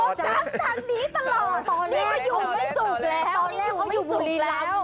ตอนแรกเค้าอยู่บุรีแล้ว